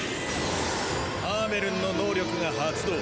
ハーメルンの能力が発動。